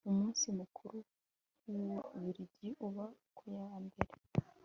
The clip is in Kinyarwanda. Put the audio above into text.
umunsi mukuru w'ububirigi uba kuyambere